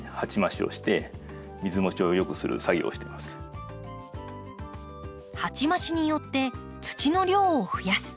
なので私は鉢増しによって土の量を増やす。